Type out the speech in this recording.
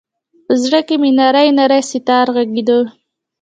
په زړه کې مــــــې نـــری نـــری ستار غـــــږیده